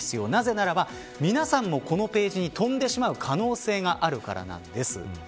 なぜならば、皆さんもこのページに飛んでしまう可能性があるからなんです。